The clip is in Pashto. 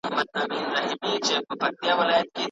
ما په دغه کتاب کي د اسلامي اخلاقو په اړه ولوسهمېشه.